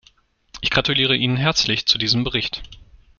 Ich gratuliere Ihnen herzlich zu diesem Bericht.